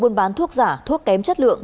buôn bán thuốc giả thuốc kém chất lượng